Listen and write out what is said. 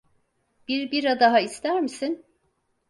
Bir bira daha ister misin?